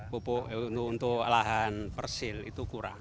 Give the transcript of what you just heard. pupuk untuk lahan persil itu kurang